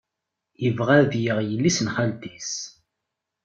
Yebɣa ad yaɣ yelli-s n xalti-s.